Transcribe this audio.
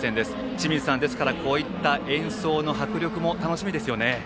清水さん、こういった演奏の迫力も楽しみですね。